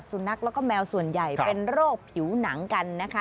สุนัขแล้วก็แมวส่วนใหญ่เป็นโรคผิวหนังกันนะคะ